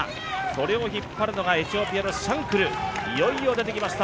それを引っ張るのがエチオピアのシャンクル、いよいよでてきました